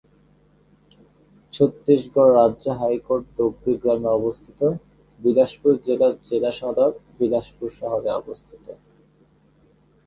ছত্তীসগঢ় রাজ্য হাইকোর্ট ডোগরি গ্রামে অবস্থিত, বিলাসপুর জেলার জেলা সদর বিলাসপুর শহরে অবস্থিত।